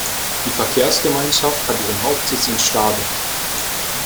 Die Verkehrsgemeinschaft hat ihren Hauptsitz in Stade.